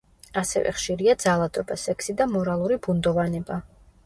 ასევე, ხშირია ძალადობა, სექსი და მორალური ბუნდოვანება.